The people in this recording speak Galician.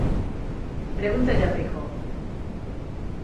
"Pregúntalle a Feijóo".